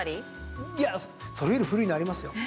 いやそれより古いのありますよ。